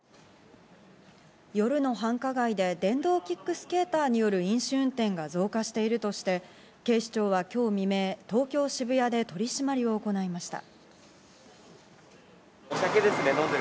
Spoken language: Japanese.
夜の繁華街で、電動キックスケーターによる飲酒運転が増加しているとして、警視庁は今日未明、東京・渋谷で取り締まりを行いました。